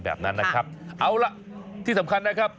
เอาละที่สำคัญนะครับ